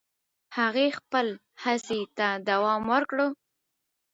هغې خپل هڅې ته دوام ورکړ.